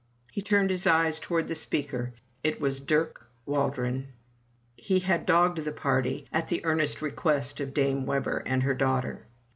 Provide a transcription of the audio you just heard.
He turned his eyes towards the speaker; it was Dirk Waldron. He had dogged the party, at the earnest request of Dame Webber and her daughter.